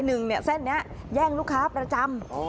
รถเมนมินิบั๊สสาย๑เส้นนี้แย่งลูกค้าประจำ